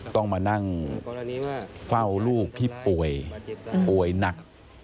ต้องมานั่งเฝ้าลูกที่ป่วยป่วยหนัก